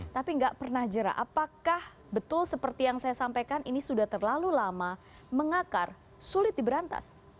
tapi nggak pernah jerah apakah betul seperti yang saya sampaikan ini sudah terlalu lama mengakar sulit diberantas